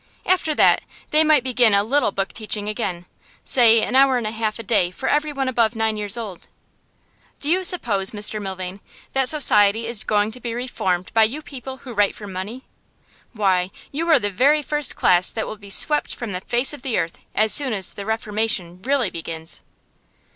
After that, they might begin a little book teaching again say an hour and a half a day for everyone above nine years old. Do you suppose, Mr Milvain, that society is going to be reformed by you people who write for money? Why, you are the very first class that will be swept from the face of the earth as soon as the reformation really begins!